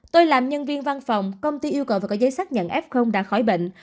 tôi làm nhân viên văn phòng công ty yêu cầu phải có giấy xác nhận f đã khỏi bệnh